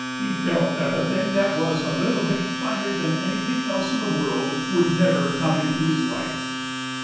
He felt that the thing that was a little bit finer than anything else in the world would never come into his life.